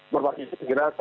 berpaksa kita segera